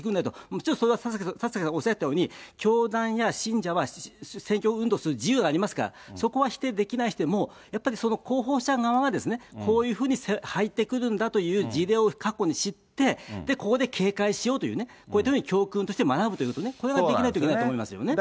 もちろんそれは田崎さんおっしゃったように、教団や信者は選挙運動する自由がありますから、そこは否定できなくても、やっぱりその広報者側は、こういうふうに入ってくるんだという事例を過去に知って、ここで警戒しようというね、教訓として学ぶということね、これができないといけないと思いますね。